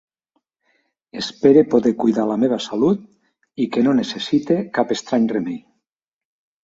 Espere poder cuidar la meua salut i que no necessite cap estrany remei.